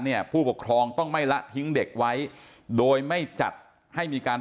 ผู้ปกครองต้องไม่ละทิ้งเด็กไว้โดยไม่จัดให้มีการ